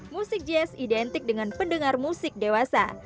musik jazz identik dengan pendengar musik dewasa